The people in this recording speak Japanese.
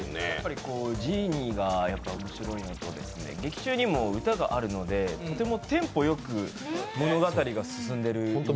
ジーニーが面白いのと、劇中にも歌があるのでとってもテンポよく物語が進んでいるんですね。